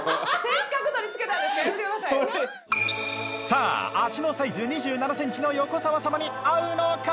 さあ足のサイズ２７センチの横澤様に合うのか？